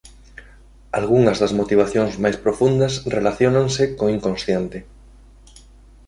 Algunhas das motivacións máis profundas relaciónanse co inconsciente.